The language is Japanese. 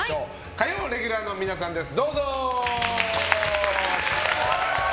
火曜レギュラーの皆さんです。